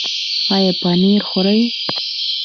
ایا پنیر خورئ؟